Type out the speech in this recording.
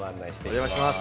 お邪魔します。